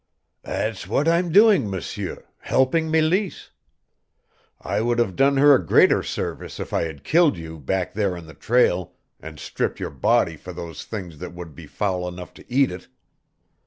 "That's what I'm doing, M'seur helping Meleese. I would have done her a greater service if I had killed you back there on the trail and stripped your body for those things that would be foul enough to eat it.